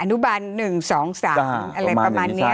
นุบัน๑๒๓อะไรประมาณนี้